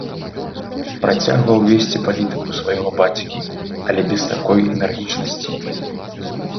Працягваў весці палітыку свайго бацькі, але без такой энергічнасці.